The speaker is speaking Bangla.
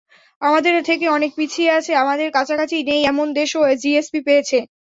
আমাদের থেকে অনেক পিছিয়ে আছে, আমাদের কাছাকাছিও নেই এমন দেশও জিএসপি পেয়েছে।